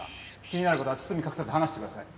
気になる事は包み隠さず話してください。